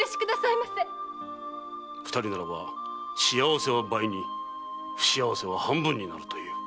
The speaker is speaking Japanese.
二人ならば幸せは倍に不幸せは半分になるという。